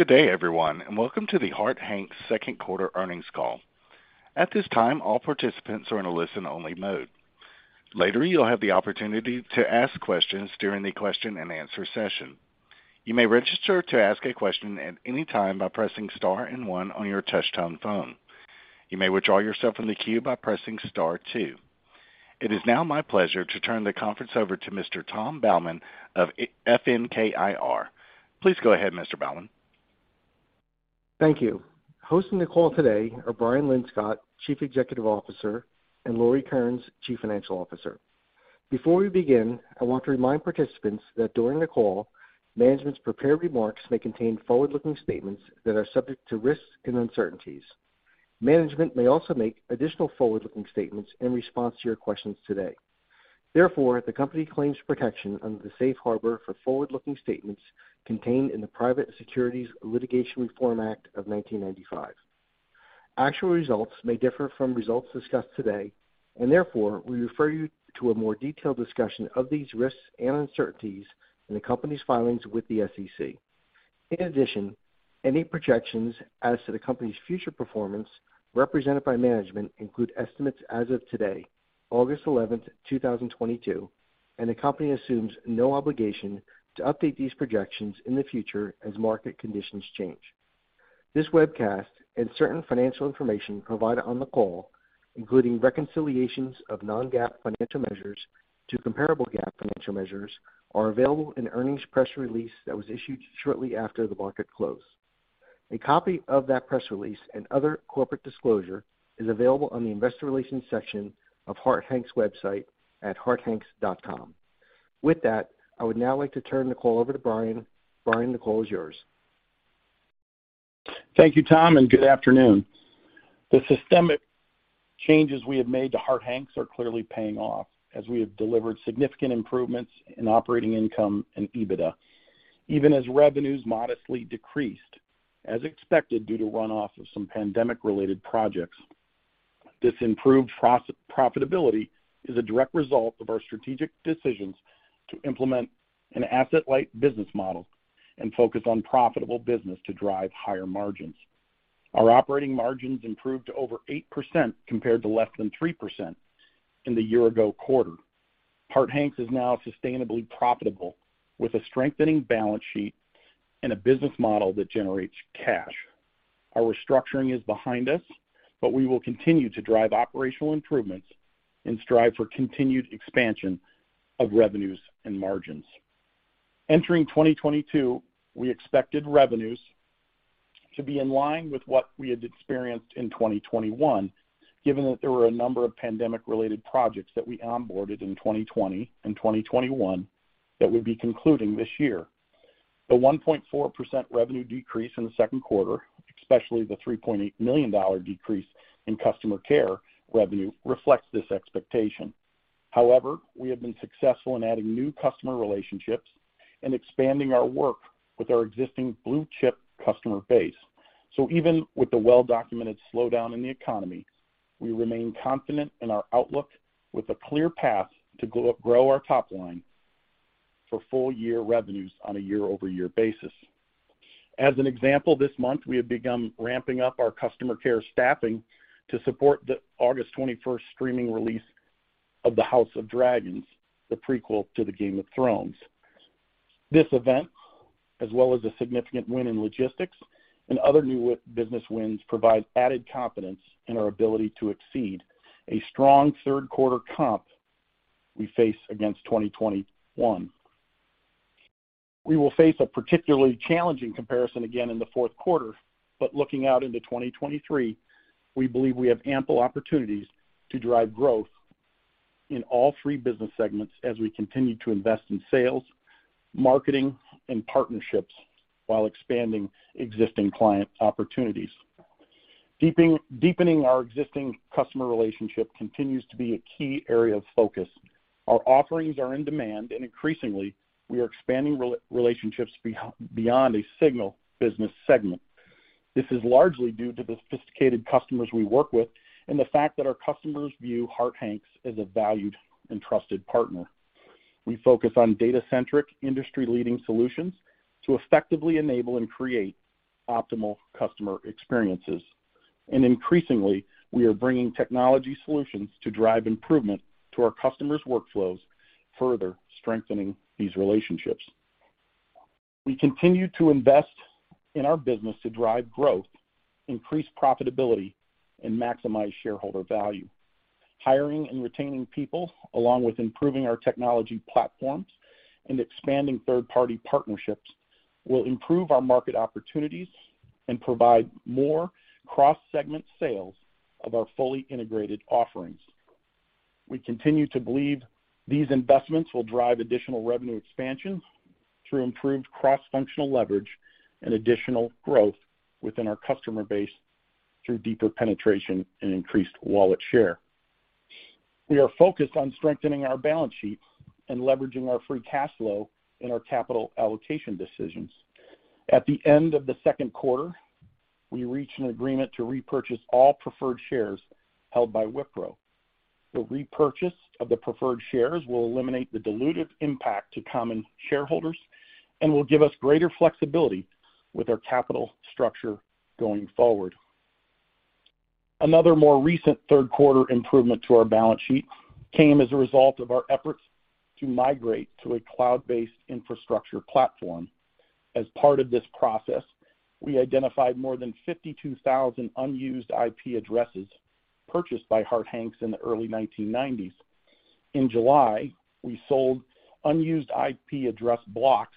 Good day, everyone, and welcome to the Harte Hanks second quarter earnings call. At this time, all participants are in a listen-only mode. Later, you'll have the opportunity to ask questions during the question-and-answer session. You may register to ask a question at any time by pressing star and one on your touch-tone phone. You may withdraw yourself from the queue by pressing star two. It is now my pleasure to turn the conference over to Mr. Tom Baumann of FNK IR. Please go ahead, Mr. Baumann. Thank you. Hosting the call today are Brian Linscott, Chief Executive Officer, and Lauri Kearnes, Chief Financial Officer. Before we begin, I want to remind participants that during the call, management's prepared remarks may contain forward-looking statements that are subject to risks and uncertainties. Management may also make additional forward-looking statements in response to your questions today. Therefore, the company claims protection under the safe harbor for forward-looking statements contained in the Private Securities Litigation Reform Act of 1995. Actual results may differ from results discussed today, and therefore, we refer you to a more detailed discussion of these risks and uncertainties in the company's filings with the SEC. In addition, any projections as to the company's future performance represented by management include estimates as of today, August 11, 2022, and the company assumes no obligation to update these projections in the future as market conditions change. This webcast and certain financial information provided on the call, including reconciliations of non-GAAP financial measures to comparable GAAP financial measures, are available in the earnings press release that was issued shortly after the market close. A copy of that press release and other corporate disclosure is available on the Investor Relations section of Harte Hanks website at hartehanks.com. With that, I would now like to turn the call over to Brian. Brian, the call is yours. Thank you, Tom, and good afternoon. The systemic changes we have made to Harte Hanks are clearly paying off as we have delivered significant improvements in operating income and EBITDA, even as revenues modestly decreased, as expected, due to runoff of some pandemic-related projects. This improved profitability is a direct result of our strategic decisions to implement an asset-light business model and focus on profitable business to drive higher margins. Our operating margins improved to over 8% compared to less than 3% in the year-ago quarter. Harte Hanks is now sustainably profitable with a strengthening balance sheet and a business model that generates cash. Our restructuring is behind us, but we will continue to drive operational improvements and strive for continued expansion of revenues and margins. Entering 2022, we expected revenues to be in line with what we had experienced in 2021, given that there were a number of pandemic-related projects that we onboarded in 2020 and 2021 that would be concluding this year. The 1.4% revenue decrease in the second quarter, especially the $3.8 million decrease in customer care revenue, reflects this expectation. However, we have been successful in adding new customer relationships and expanding our work with our existing blue-chip customer base. Even with the well-documented slowdown in the economy, we remain confident in our outlook with a clear path to grow our top line for full-year revenues on a year-over-year basis. As an example, this month, we have begun ramping up our customer care staffing to support the August 21st streaming release of House of the Dragon, the prequel to Game of Thrones. This event, as well as a significant win in logistics and other new business wins, provides added confidence in our ability to exceed a strong third quarter comp we face against 2021. We will face a particularly challenging comparison again in the fourth quarter, but looking out into 2023, we believe we have ample opportunities to drive growth in all three business segments as we continue to invest in sales, marketing, and partnerships while expanding existing client opportunities. Deepening our existing customer relationships continues to be a key area of focus. Our offerings are in demand, and increasingly, we are expanding relationships beyond a single business segment. This is largely due to the sophisticated customers we work with and the fact that our customers view Harte Hanks as a valued and trusted partner. We focus on data-centric, industry-leading solutions to effectively enable and create optimal customer experiences. Increasingly, we are bringing technology solutions to drive improvement to our customers' workflows, further strengthening these relationships. We continue to invest in our business to drive growth, increase profitability, and maximize shareholder value. Hiring and retaining people, along with improving our technology platforms and expanding third-party partnerships, will improve our market opportunities and provide more cross-segment sales of our fully integrated offerings. We continue to believe these investments will drive additional revenue expansion through improved cross-functional leverage and additional growth within our customer base through deeper penetration and increased wallet share. We are focused on strengthening our balance sheet and leveraging our free cash flow in our capital allocation decisions. At the end of the second quarter, we reached an agreement to repurchase all preferred shares held by Wipro. The repurchase of the preferred shares will eliminate the dilutive impact to common shareholders and will give us greater flexibility with our capital structure going forward. Another more recent third quarter improvement to our balance sheet came as a result of our efforts to migrate to a cloud-based infrastructure platform. As part of this process, we identified more than 52,000 unused IP addresses purchased by Harte Hanks in the early 1990s. In July, we sold unused IP address blocks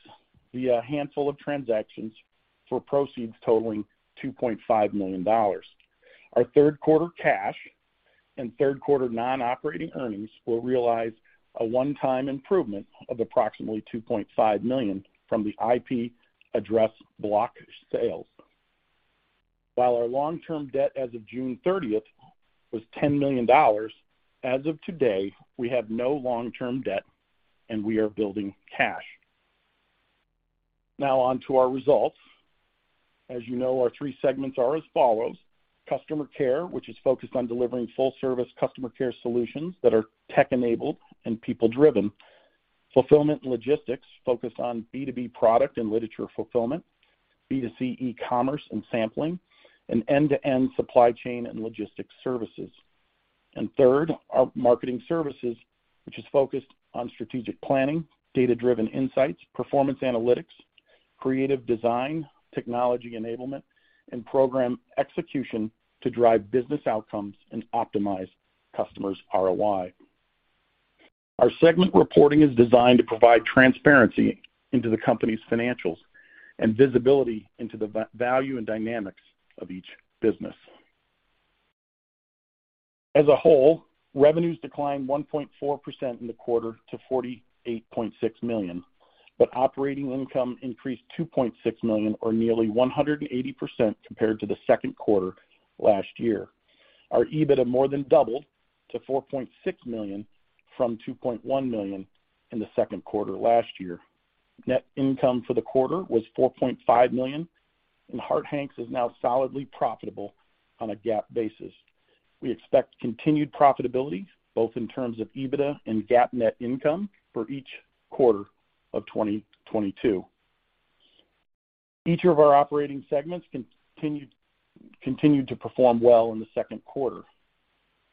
via a handful of transactions for proceeds totaling $2.5 million. Our third quarter cash and third quarter non-operating earnings will realize a one-time improvement of approximately $2.5 million from the IP address block sales. While our long-term debt as of June 30 was $10 million, as of today, we have no long-term debt, and we are building cash. Now on to our results. As you know, our three segments are as follows. Customer care, which is focused on delivering full-service customer care solutions that are tech-enabled and people-driven. Fulfillment logistics, focused on B2B product and literature fulfillment, B2C e-commerce and sampling, and end-to-end supply chain and logistics services. Third, our marketing services, which is focused on strategic planning, data-driven insights, performance analytics, creative design, technology enablement, and program execution to drive business outcomes and optimize customers' ROI. Our segment reporting is designed to provide transparency into the company's financials and visibility into the value and dynamics of each business. Revenues declined 1.4% in the quarter to $48.6 million, but operating income increased $2.6 million or nearly 180% compared to the second quarter last year. Our EBITDA more than doubled to $4.6 million from $2.1 million in the second quarter last year. Net income for the quarter was $4.5 million, and Harte Hanks is now solidly profitable on a GAAP basis. We expect continued profitability, both in terms of EBITDA and GAAP net income for each quarter of 2022. Each of our operating segments continued to perform well in the second quarter.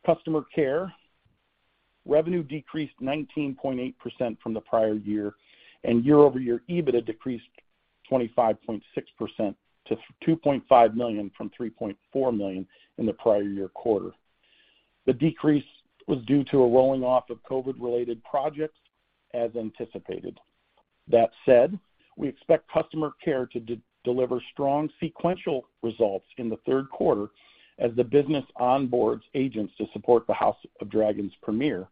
Customer care. Revenue decreased 19.8% from the prior year, and year-over-year EBITDA decreased 25.6% to $2.5 million from $3.4 million in the prior year quarter. The decrease was due to a rolling off of COVID-related projects, as anticipated. That said, we expect customer care to deliver strong sequential results in the third quarter as the business onboards agents to support the House of the Dragon's premiere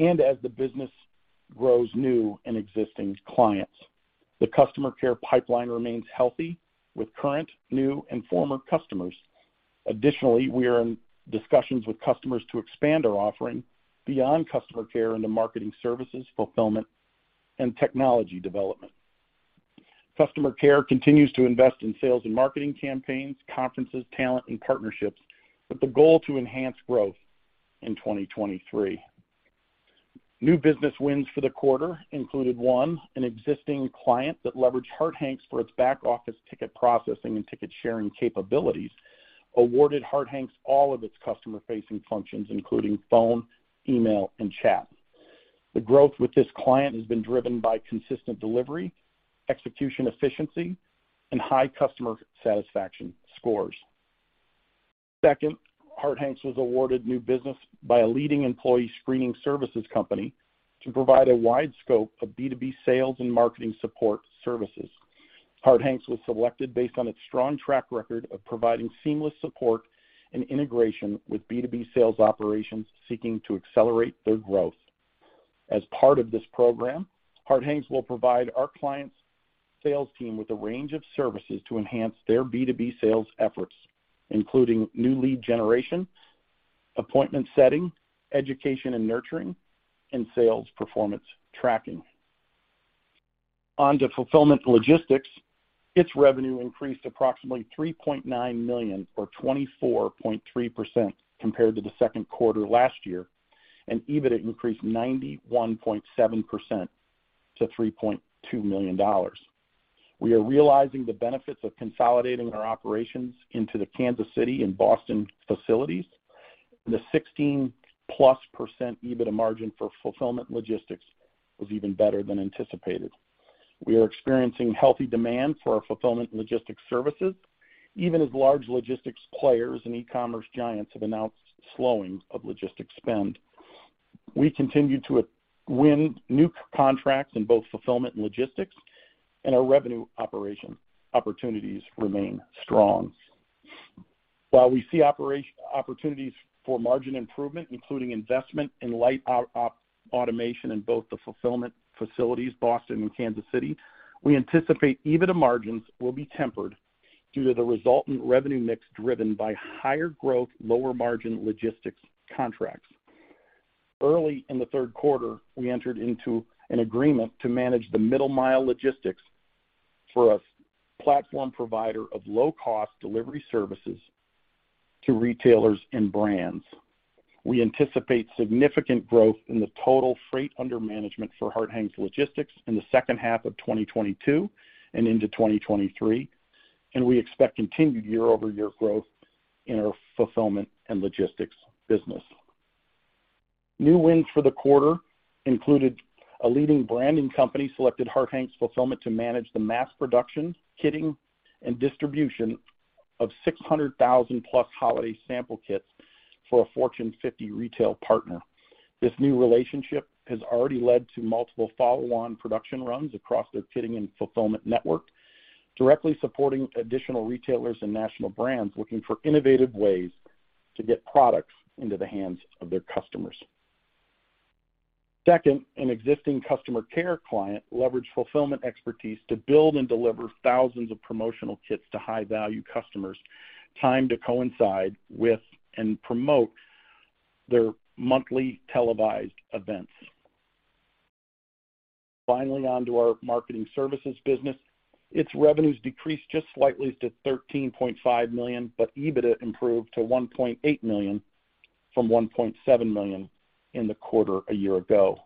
and as the business grows new and existing clients. The customer care pipeline remains healthy with current, new and former customers. Additionally, we are in discussions with customers to expand our offering beyond customer care into marketing services, fulfillment, and technology development. Customer care continues to invest in sales and marketing campaigns, conferences, talent, and partnerships with the goal to enhance growth in 2023. New business wins for the quarter included one, an existing client that leveraged Harte Hanks for its back-office ticket processing and ticket-sharing capabilities, awarded Harte Hanks all of its customer-facing functions, including phone, email, and chat. The growth with this client has been driven by consistent delivery, execution efficiency, and high customer satisfaction scores. Second, Harte Hanks was awarded new business by a leading employee screening services company to provide a wide scope of B2B sales and marketing support services. Harte Hanks was selected based on its strong track record of providing seamless support and integration with B2B sales operations seeking to accelerate their growth. As part of this program, Harte Hanks will provide our client's sales team with a range of services to enhance their B2B sales efforts, including new lead generation, appointment setting, education and nurturing, and sales performance tracking. On to fulfillment logistics. Its revenue increased approximately $3.9 million or 24.3% compared to the second quarter last year, and EBITDA increased 91.7% to $3.2 million. We are realizing the benefits of consolidating our operations into the Kansas City and Boston facilities. The 16%+ EBITDA margin for fulfillment logistics was even better than anticipated. We are experiencing healthy demand for our fulfillment logistics services, even as large logistics players and e-commerce giants have announced slowing of logistics spend. We continue to win new contracts in both fulfillment and logistics, and our revenue opportunities remain strong. While we see opportunities for margin improvement, including investment in light automation in both the fulfillment facilities, Boston and Kansas City, we anticipate EBITDA margins will be tempered due to the resultant revenue mix driven by higher growth, lower margin logistics contracts. Early in the third quarter, we entered into an agreement to manage the middle mile logistics for a platform provider of low-cost delivery services to retailers and brands. We anticipate significant growth in the total freight under management for Harte Hanks Logistics in the second half of 2022 and into 2023, and we expect continued year-over-year growth in our fulfillment and logistics business. New wins for the quarter included a leading branding company selected Harte Hanks Fulfillment to manage the mass production, kitting, and distribution of 600,000+ holiday sample kits for a Fortune 50 retail partner. This new relationship has already led to multiple follow-on production runs across their kitting and fulfillment network, directly supporting additional retailers and national brands looking for innovative ways to get products into the hands of their customers. Second, an existing customer care client leveraged fulfillment expertise to build and deliver thousands of promotional kits to high-value customers, timed to coincide with and promote their monthly televised events. Finally, on to our marketing services business. Its revenues decreased just slightly to $13.5 million, but EBITDA improved to $1.8 million from $1.7 million in the quarter a year ago.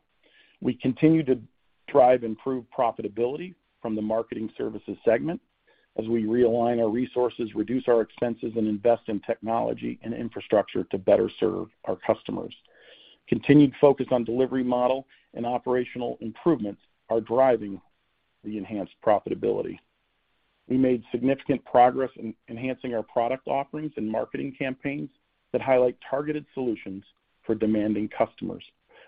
We continue to drive improved profitability from the marketing services segment as we realign our resources, reduce our expenses, and invest in technology and infrastructure to better serve our customers. Continued focus on delivery model and operational improvements are driving the enhanced profitability. We made significant progress in enhancing our product offerings and marketing campaigns that highlight targeted solutions for demanding customers.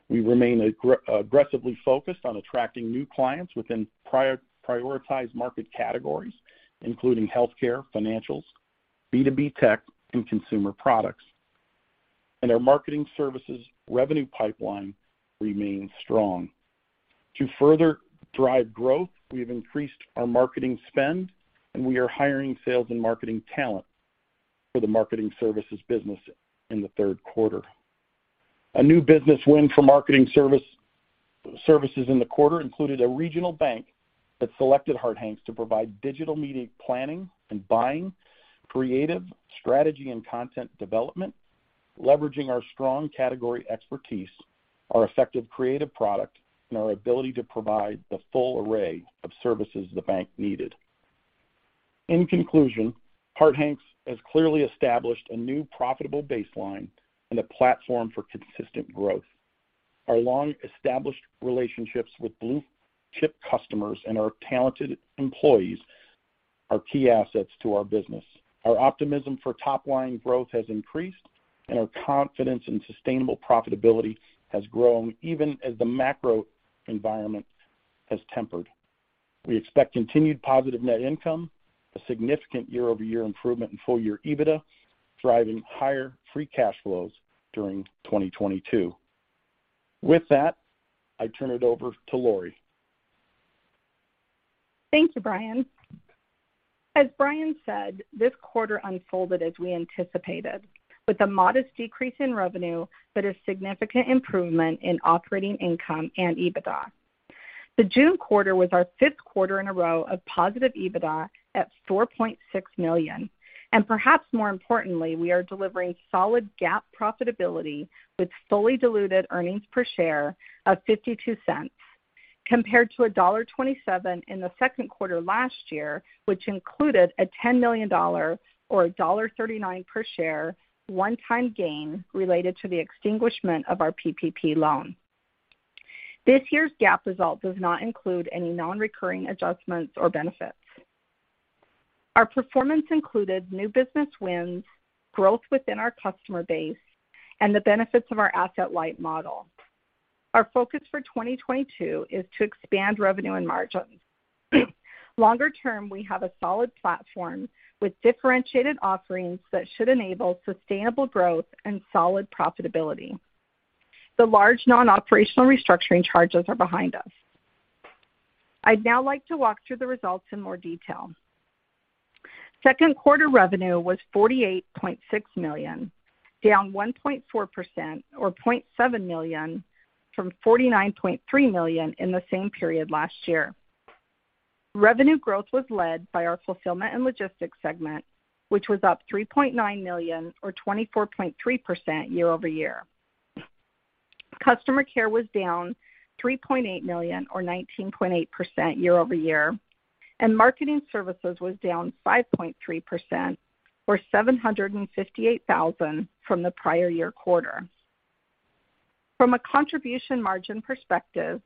We remain aggressively focused on attracting new clients within prioritized market categories, including healthcare, financials, B2B tech, and consumer products. Our marketing services revenue pipeline remains strong. To further drive growth, we have increased our marketing spend, and we are hiring sales and marketing talent for the marketing services business in the third quarter. A new business win for marketing services in the quarter included a regional bank that selected Harte Hanks to provide digital media planning and buying, creative strategy and content development, leveraging our strong category expertise, our effective creative product, and our ability to provide the full array of services the bank needed. In conclusion, Harte Hanks has clearly established a new profitable baseline and a platform for consistent growth. Our long-established relationships with blue chip customers and our talented employees are key assets to our business. Our optimism for top-line growth has increased, and our confidence in sustainable profitability has grown even as the macro environment has tempered. We expect continued positive net income, a significant year-over-year improvement in full-year EBITDA, driving higher free cash flows during 2022. With that, I turn it over to Lauri. Thank you, Brian. As Brian said, this quarter unfolded as we anticipated, with a modest decrease in revenue but a significant improvement in operating income and EBITDA. The June quarter was our fifth quarter in a row of positive EBITDA at $4.6 million. Perhaps more importantly, we are delivering solid GAAP profitability with fully diluted earnings per share of $0.52 compared to $1.27 in the second quarter last year, which included a $10 million or $1.39 per share one-time gain related to the extinguishment of our PPP loan. This year's GAAP result does not include any non-recurring adjustments or benefits. Our performance included new business wins, growth within our customer base, and the benefits of our asset-light model. Our focus for 2022 is to expand revenue and margins. Longer term, we have a solid platform with differentiated offerings that should enable sustainable growth and solid profitability. The large non-operational restructuring charges are behind us. I'd now like to walk through the results in more detail. Second quarter revenue was $48.6 million, down 1.4% or $0.7 million from $49.3 million in the same period last year. Revenue growth was led by our fulfillment and logistics segment, which was up $3.9 million or 24.3% year-over-year. Customer care was down $3.8 million or 19.8% year-over-year, and marketing services was down 5.3% or $758,000 from the prior year quarter. From a contribution margin perspective,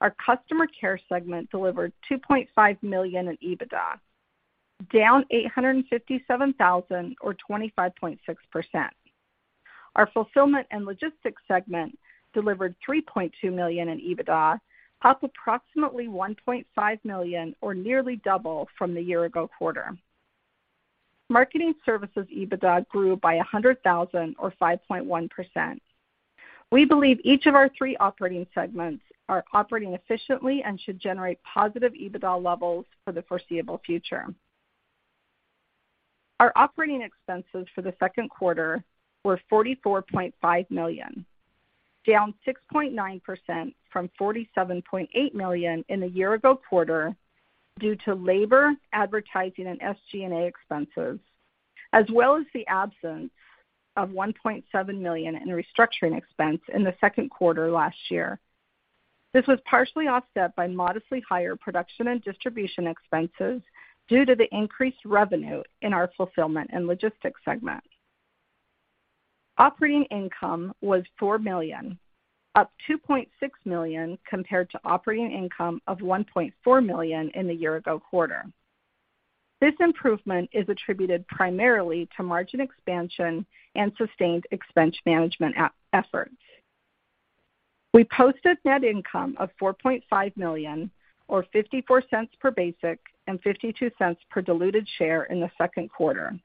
our customer care segment delivered $2.5 million in EBITDA, down $857,000 or 25.6%. Our fulfillment and logistics segment delivered $3.2 million in EBITDA, up approximately $1.5 million or nearly double from the year ago quarter. Marketing services EBITDA grew by $100,000 or 5.1%. We believe each of our three operating segments are operating efficiently and should generate positive EBITDA levels for the foreseeable future. Our operating expenses for the second quarter were $44.5 million, down 6.9% from $47.8 million in the year ago quarter due to labor, advertising, and SG&A expenses, as well as the absence of $1.7 million in restructuring expense in the second quarter last year. This was partially offset by modestly higher production and distribution expenses due to the increased revenue in our fulfillment and logistics segment. Operating income was $4 million, up $2.6 million compared to operating income of $1.4 million in the year ago quarter. This improvement is attributed primarily to margin expansion and sustained expense management efforts. We posted net income of $4.5 million, or $0.54 per basic and $0.52 per diluted share in the second quarter,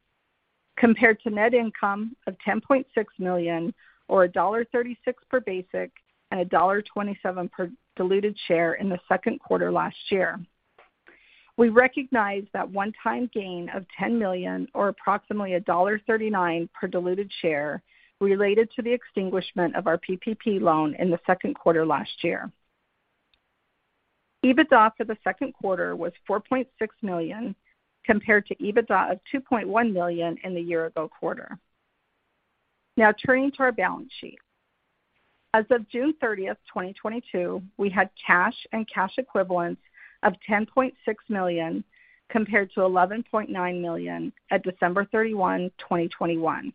compared to net income of $10.6 million or $1.36 per basic and $1.27 per diluted share in the second quarter last year. We recognized that one-time gain of $10 million or approximately $1.39 per diluted share related to the extinguishment of our PPP loan in the second quarter last year. EBITDA for the second quarter was $4.6 million compared to EBITDA of $2.1 million in the year ago quarter. Now turning to our balance sheet. As of June 30th, 2022, we had cash and cash equivalents of $10.6 million compared to $11.9 million at December 31, 2021.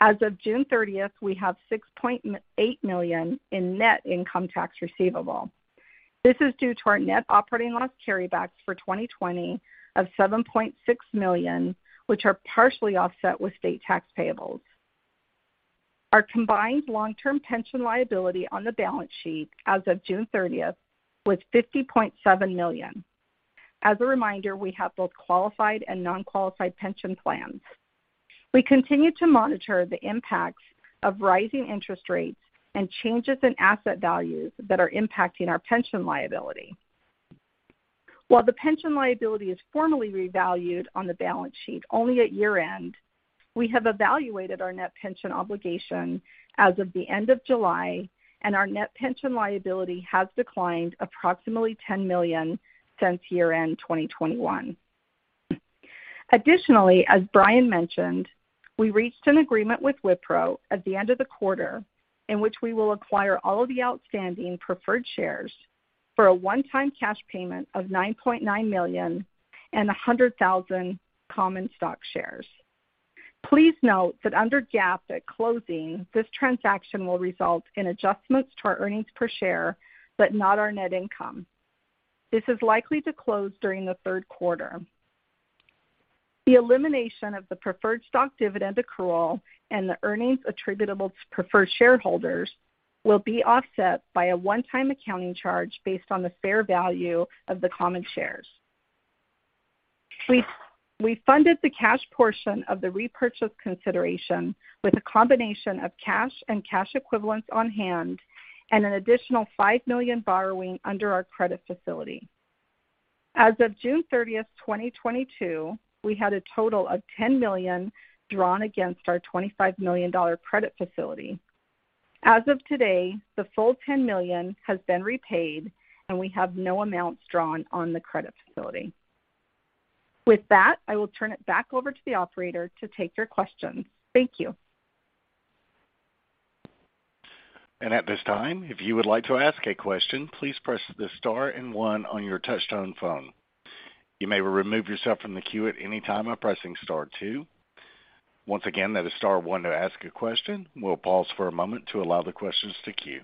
As of June 30th, we have $6.8 million in net income tax receivable. This is due to our net operating loss carrybacks for twenty twenty of $7.6 million, which are partially offset with state tax payables. Our combined long-term pension liability on the balance sheet as of June 30th was $50.7 million. As a reminder, we have both qualified and non-qualified pension plans. We continue to monitor the impacts of rising interest rates and changes in asset values that are impacting our pension liability. While the pension liability is formally revalued on the balance sheet only at year-end, we have evaluated our net pension obligation as of the end of July, and our net pension liability has declined approximately $10 million since year-end 2021. Additionally, as Brian mentioned, we reached an agreement with Wipro at the end of the quarter in which we will acquire all of the outstanding preferred shares for a one-time cash payment of $9.9 million and 100,000 common stock shares. Please note that under GAAP, at closing, this transaction will result in adjustments to our earnings per share but not our net income. This is likely to close during the third quarter. The elimination of the preferred stock dividend accrual and the earnings attributable to preferred shareholders will be offset by a one-time accounting charge based on the fair value of the common shares. We funded the cash portion of the repurchase consideration with a combination of cash and cash equivalents on hand and an additional $5 million borrowing under our credit facility. As of June 30, 2022, we had a total of $10 million drawn against our $25 million credit facility. As of today, the full $10 million has been repaid, and we have no amounts drawn on the credit facility. With that, I will turn it back over to the operator to take your questions. Thank you. At this time, if you would like to ask a question, please press the star and one on your touch-tone phone. You may remove yourself from the queue at any time by pressing star two. Once again, that is star one to ask a question. We'll pause for a moment to allow the questions to queue.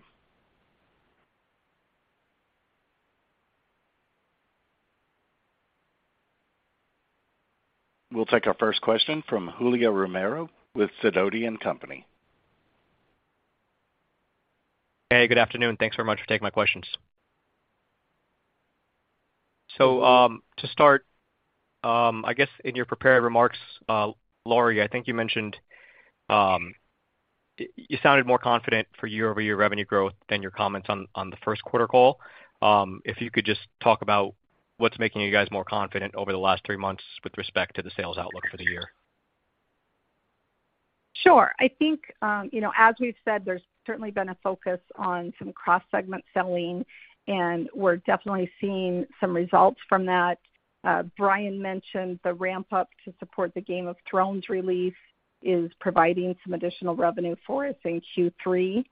We'll take our first question from Julio Romero with Sidoti & Company. Hey, good afternoon. Thanks very much for taking my questions. To start, I guess in your prepared remarks, Laurie, I think you mentioned, you sounded more confident for year-over-year revenue growth than your comments on the first quarter call. If you could just talk about what's making you guys more confident over the last three months with respect to the sales outlook for the year. Sure. I think, you know, as we've said, there's certainly been a focus on some cross-segment selling, and we're definitely seeing some results from that. Brian mentioned the ramp up to support the Game of Thrones release is providing some additional revenue for us in Q3.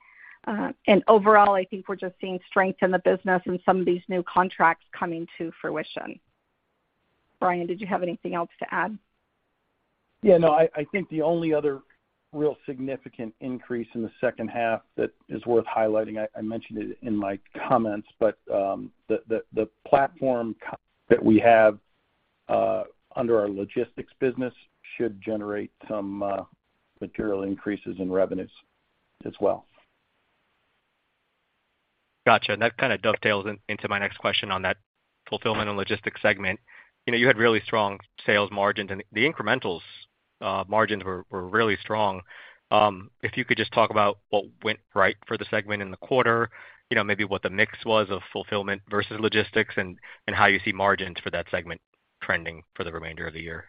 Overall, I think we're just seeing strength in the business and some of these new contracts coming to fruition. Brian, did you have anything else to add? Yeah, no, I think the only other real significant increase in the second half that is worth highlighting. I mentioned it in my comments, but the platform company that we have under our logistics business should generate some material increases in revenues as well. Gotcha. That kind of dovetails in, into my next question on that fulfillment and logistics segment. You know, you had really strong sales margins, and the incrementals, margins were really strong. If you could just talk about what went right for the segment in the quarter, you know, maybe what the mix was of fulfillment versus logistics, and how you see margins for that segment trending for the remainder of the year.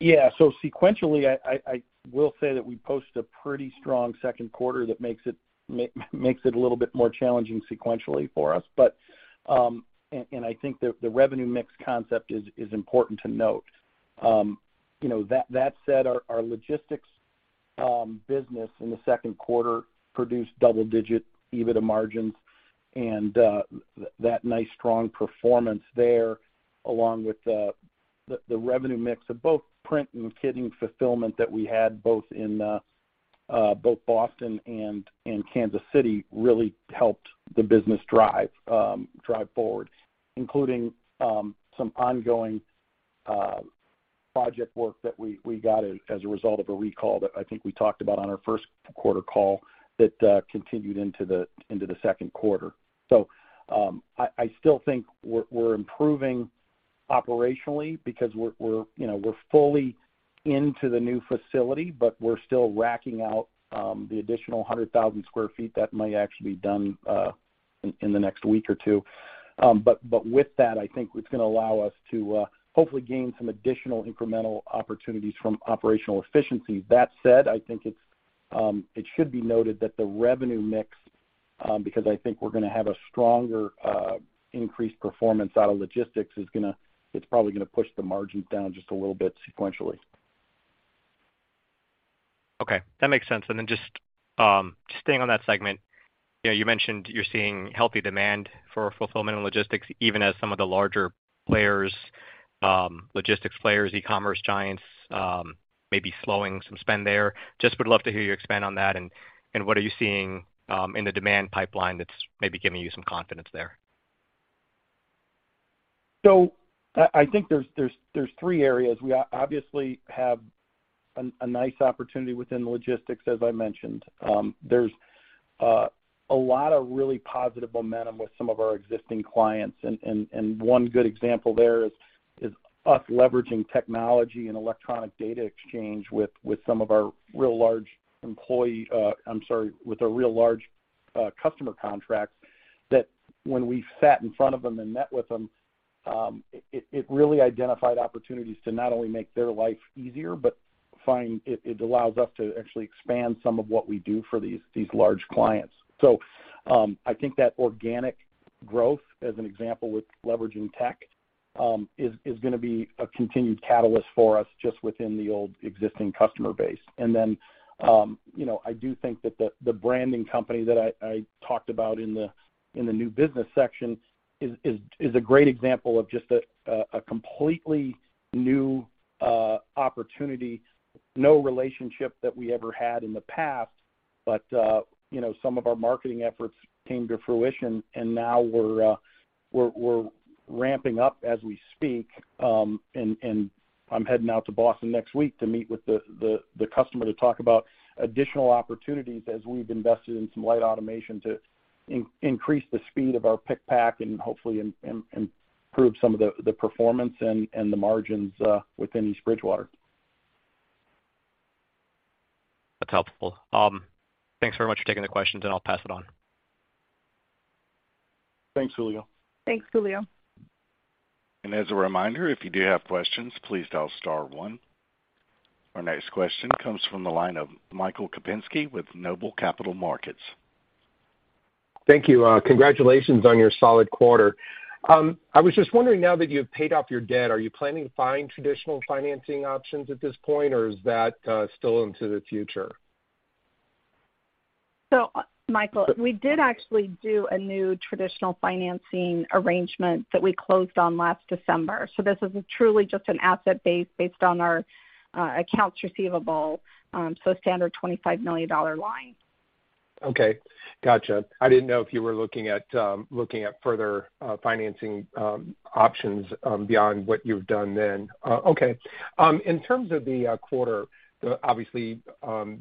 Yeah. Sequentially, I will say that we posted a pretty strong second quarter that makes it a little bit more challenging sequentially for us, but and I think the revenue mix concept is important to note. You know, that said, our logistics business in the second quarter produced double-digit EBITDA margins. That nice strong performance there, along with the revenue mix of both print and kitting fulfillment that we had both in both Boston and Kansas City really helped the business drive forward, including some ongoing project work that we got as a result of a recall that I think we talked about on our first quarter call that continued into the second quarter. I still think we're you know, we're fully into the new facility, but we're still racking out the additional 100,000 sq ft that might actually be done in the next week or two. But with that, I think it's gonna allow us to hopefully gain some additional incremental opportunities from operational efficiencies. That said, I think it should be noted that the revenue mix, because I think we're gonna have a stronger increased performance out of logistics, is probably gonna push the margins down just a little bit sequentially. Okay, that makes sense. Just staying on that segment, you know, you mentioned you're seeing healthy demand for fulfillment and logistics, even as some of the larger players, logistics players, e-commerce giants, may be slowing some spend there. Just would love to hear you expand on that and what are you seeing in the demand pipeline that's maybe giving you some confidence there? I think there's three areas. We obviously have a nice opportunity within logistics, as I mentioned. There's a lot of really positive momentum with some of our existing clients. One good example there is us leveraging technology and electronic data exchange with some of our real large customer contracts that when we sat in front of them and met with them, it really identified opportunities to not only make their life easier, but it allows us to actually expand some of what we do for these large clients. I think that organic growth, as an example with leveraging tech, is gonna be a continued catalyst for us just within our existing customer base. I do think that the branding company that I talked about in the new business section is a great example of just a completely new opportunity, no relationship that we ever had in the past, but you know, some of our marketing efforts came to fruition, and now we're ramping up as we speak. I'm heading out to Boston next week to meet with the customer to talk about additional opportunities as we've invested in some light automation to increase the speed of our pick and pack and hopefully improve some of the performance and the margins within East Bridgewater. That's helpful. Thanks very much for taking the questions, and I'll pass it on. Thanks, Julio. Thanks, Julio. As a reminder, if you do have questions, please dial star one. Our next question comes from the line of Michael Kupinski with Noble Capital Markets. Thank you. Congratulations on your solid quarter. I was just wondering, now that you've paid off your debt, are you planning to find traditional financing options at this point, or is that still into the future? Michael, we did actually do a new traditional financing arrangement that we closed on last December. This is truly just an asset-based on our accounts receivable, a standard $25 million line. Okay. Gotcha. I didn't know if you were looking at further financing options beyond what you've done then. Okay. In terms of the quarter, the obviously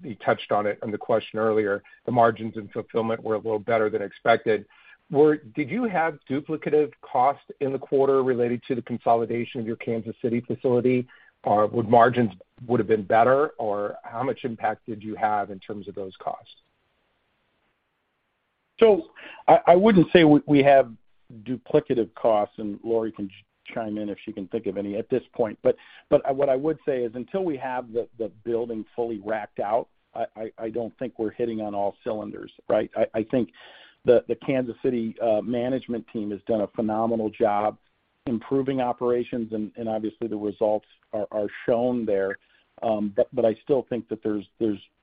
you touched on it on the question earlier, the margins and fulfillment were a little better than expected. Did you have duplicative costs in the quarter related to the consolidation of your Kansas City facility? Or would margins have been better, or how much impact did you have in terms of those costs? I wouldn't say we have duplicative costs, and Lauri can chime in if she can think of any at this point. What I would say is until we have the building fully racked out, I don't think we're hitting on all cylinders, right? I think the Kansas City management team has done a phenomenal job improving operations, and obviously the results are shown there. I still think that there's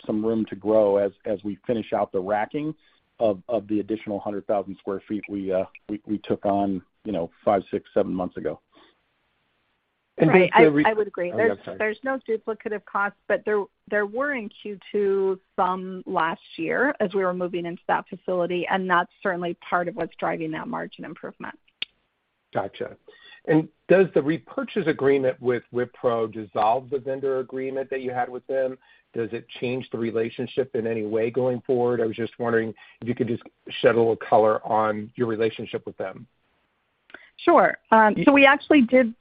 some room to grow as we finish out the racking of the additional 100,000 sq ft we took on, you know, five, six, seven months ago. Right. I would agree. Oh, yeah. Sorry. There's no duplicative costs, but there were in Q2 some last year as we were moving into that facility, and that's certainly part of what's driving that margin improvement. Gotcha. Does the repurchase agreement with Wipro dissolve the vendor agreement that you had with them? Does it change the relationship in any way going forward? I was just wondering if you could just shed a little color on your relationship with them. Sure. We actually did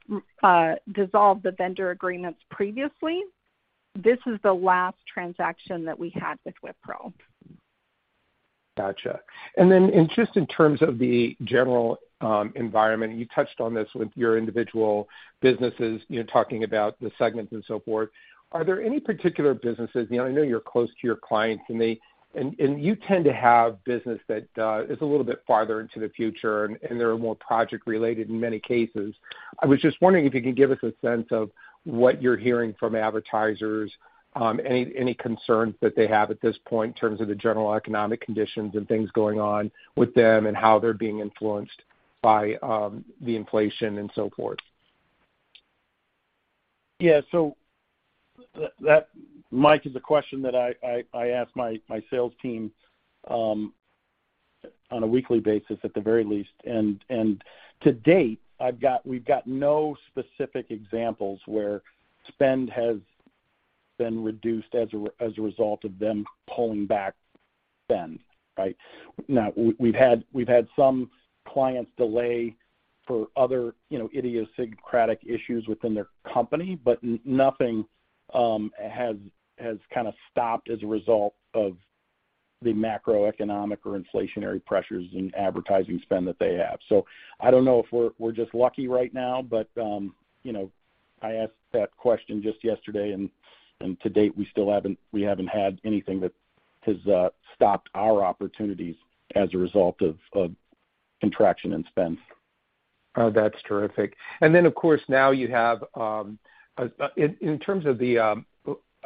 dissolve the vendor agreements previously. This is the last transaction that we had with Wipro. Gotcha. In just in terms of the general environment, you touched on this with your individual businesses, you know, talking about the segments and so forth, are there any particular businesses. You know, I know you're close to your clients, and you tend to have business that is a little bit farther into the future and they are more project-related in many cases. I was just wondering if you could give us a sense of what you're hearing from advertisers, any concerns that they have at this point in terms of the general economic conditions and things going on with them and how they're being influenced by the inflation and so forth. Yeah. That, Mike, is a question that I ask my sales team on a weekly basis at the very least. To date, we've got no specific examples where spend has been reduced as a result of them pulling back spend, right? Now, we've had some clients delay for other, you know, idiosyncratic issues within their company, but nothing has kinda stopped as a result of the macroeconomic or inflationary pressures in advertising spend that they have. I don't know if we're just lucky right now, but, you know, I asked that question just yesterday and to date we still haven't had anything that has stopped our opportunities as a result of contraction in spend. Oh, that's terrific. Of course, now you have in terms of the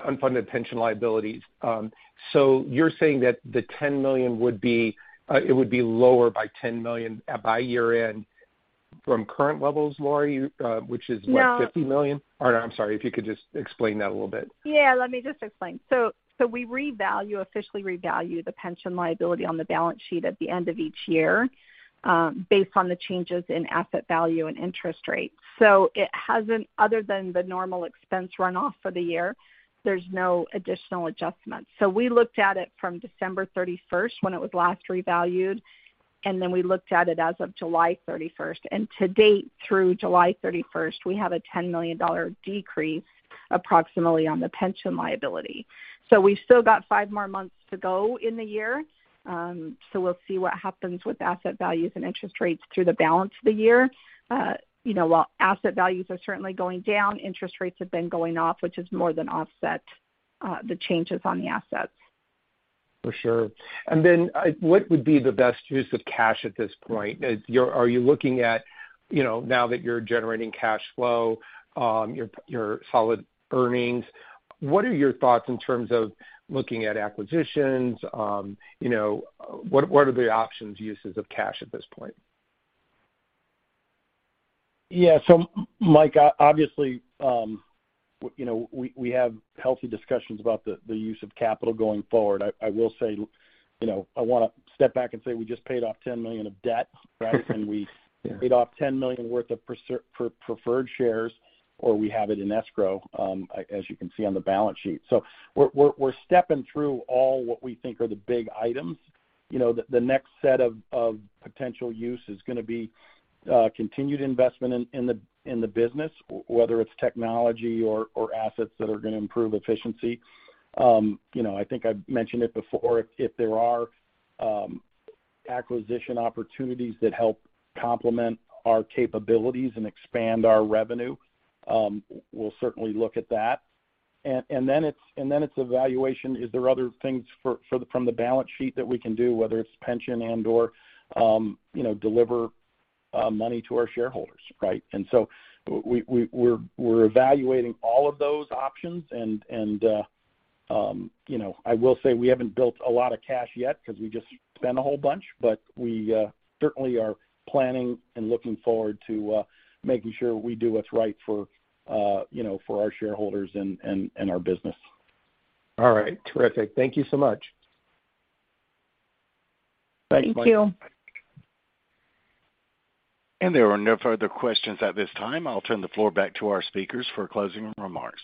unfunded pension liabilities. You're saying that the $10 million would be lower by $10 million by year-end from current levels, Lauri, which is what? Yeah. $50 million? Or, I'm sorry, if you could just explain that a little bit. Yeah, let me just explain. We revalue, officially revalue the pension liability on the balance sheet at the end of each year based on the changes in asset value and interest rates. Other than the normal expense runoff for the year, there's no additional adjustments. We looked at it from December 31st when it was last revalued, and then we looked at it as of July 31st. To date, through July 31st, we have a $10 million decrease approximately on the pension liability. We've still got five more months to go in the year, so we'll see what happens with asset values and interest rates through the balance of the year. You know, while asset values are certainly going down, interest rates have been going up, which has more than offset the changes on the assets. For sure. What would be the best use of cash at this point? Are you looking at, you know, now that you're generating cash flow, your solid earnings, what are your thoughts in terms of looking at acquisitions? You know, what are the options uses of cash at this point? Mike, obviously, you know, we have healthy discussions about the use of capital going forward. I will say, you know, I wanna step back and say we just paid off $10 million of debt, right? Yeah. We paid off $10 million worth of preferred shares, or we have it in escrow, as you can see on the balance sheet. We're stepping through all what we think are the big items. You know, the next set of potential use is gonna be continued investment in the business, whether it's technology or assets that are gonna improve efficiency. You know, I think I've mentioned it before, if there are acquisition opportunities that help complement our capabilities and expand our revenue, we'll certainly look at that. And then it's evaluation of whether there are other things from the balance sheet that we can do, whether it's pension and/or, you know, deliver money to our shareholders, right? We're evaluating all of those options. You know, I will say we haven't built a lot of cash yet 'cause we just spent a whole bunch, but we certainly are planning and looking forward to making sure we do what's right for you know, for our shareholders and our business. All right. Terrific. Thank you so much. Thank you. There are no further questions at this time. I'll turn the floor back to our speakers for closing remarks.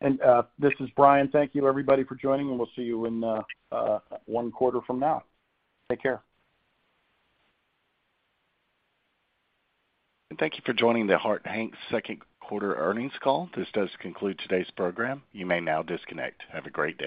This is Brian. Thank you everybody for joining, and we'll see you in one quarter from now. Take care. Thank you for joining the Harte Hanks second quarter earnings call. This does conclude today's program. You may now disconnect. Have a great day.